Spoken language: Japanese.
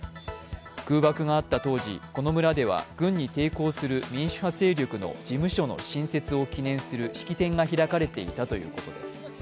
空爆があった当時、この村では軍に抵抗する民主派勢力の事務所の新設を記念する式典が開かれていたということです。